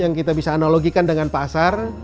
yang kita bisa analogikan dengan pasar